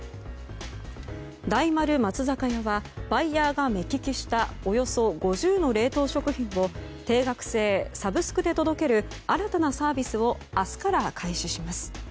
大丸松坂屋はバイヤーが目利きしたおよそ５０の冷凍食品を定額制・サブスクで届ける新たなサービスを明日から開始します。